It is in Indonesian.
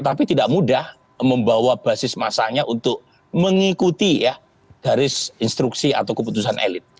tapi tidak mudah membawa basis masanya untuk mengikuti ya garis instruksi atau keputusan elit